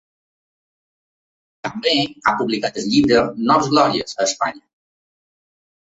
També ha publicat el llibre Noves glòries a Espanya.